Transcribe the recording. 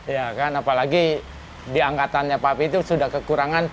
ya kan apalagi di angkatannya papi itu sudah kekurangan